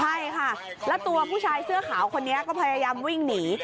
ใช่ค่ะแล้วตัวผู้ชายเสื้อขาวคนนี้ก็พยายามวิ่งหนี